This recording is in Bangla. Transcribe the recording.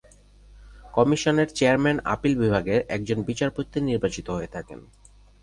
কমিশনের চেয়ারম্যান আপিল বিভাগের একজন বিচারপতি নির্বাচিত হয়ে থাকেন।